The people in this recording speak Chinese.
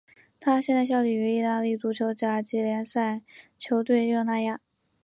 他现在效力于意大利足球甲级联赛球队热那亚。